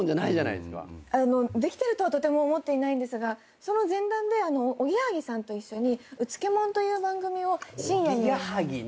できてるとはとても思っていないですがその前段でおぎやはぎさんと一緒に『うつけもん』という番組を深夜に。